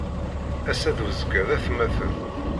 Ass-a d uzekka d atmaten.